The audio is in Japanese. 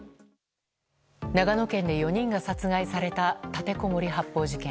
長野県で４人が殺害された立てこもり発砲事件。